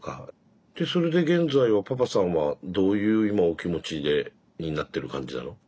でそれで現在はぱぱさんはどういう今お気持ちになってる感じなの？